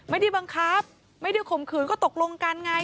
ไม่ได้บังคับไม่ได้ข่มขืนก็ตกลงกันไง